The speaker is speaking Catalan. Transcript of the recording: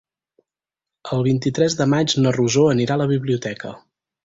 El vint-i-tres de maig na Rosó anirà a la biblioteca.